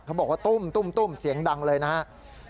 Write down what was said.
เขาบอกว่าตุ้มเสียงดังเลยนะครับ